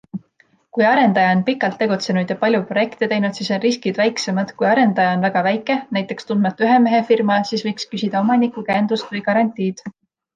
Kui arendaja on pikalt tegutsenud ja palju projekte teinud, siis on riskid väiksemad, kui arendaja on väga väike, näiteks tundmatu ühemehefirma, siis võiks küsida omaniku käendust või garantiid.